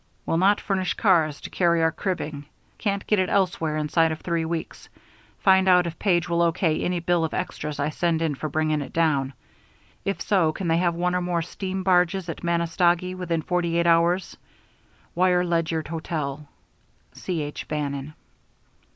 Will not furnish cars to carry our cribbing. Can't get it elsewhere inside of three weeks. Find out if Page will O. K. any bill of extras I send in for bringing it down. If so, can they have one or more steam barges at Manistogee within forty eight hours? Wire Ledyard Hotel. C. H. BANNON.